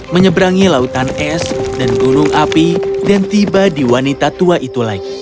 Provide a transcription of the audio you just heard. menyeberangi lautan es dan gunung api dan tiba di wanita tua itu lagi